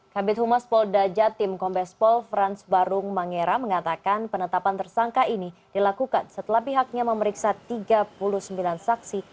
kabit humas polda jatim kombespol frans barung mangera mengatakan penetapan tersangka ini dilakukan setelah pihaknya memeriksa tiga puluh sembilan saksi